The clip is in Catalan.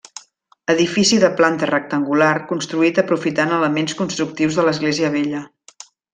Edifici de planta rectangular construït aprofitant elements constructius de l'església vella.